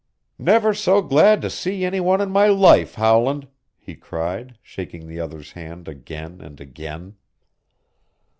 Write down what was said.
"Never so glad to see any one in my life, Howland!" he cried, shaking the other's hand again and again.